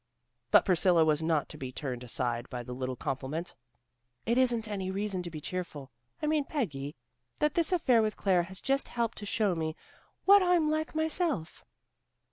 But Priscilla was not to be turned aside by the little compliment. "It isn't any reason to be cheerful. I mean, Peggy, that this affair with Claire has just helped to show me what I'm like myself."